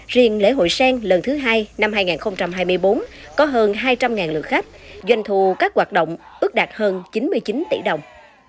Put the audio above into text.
riêng lễ hội sen lần thứ hai năm hai nghìn hai mươi bốn có hơn hai trăm linh lượt khách doanh thu các hoạt động ước đạt hơn chín mươi chín tỷ đồng